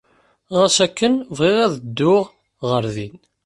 Ɣas akken, bɣiɣ ad dduɣ ɣer din.